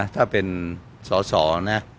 ถ้าเป็นสอสอนะ